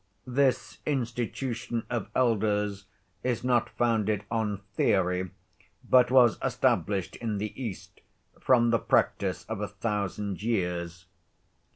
This institution of elders is not founded on theory, but was established in the East from the practice of a thousand years.